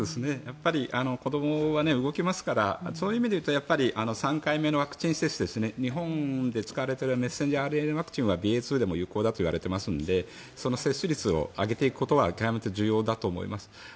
やっぱり子どもは動きますからそういう意味で言うとやっぱり３回目のワクチン接種ですね日本で使われているメッセンジャーＲＮＡワクチンはＢＡ．２でも有効だといわれていますのでその接種率を上げていくことは極めて重要だと思います。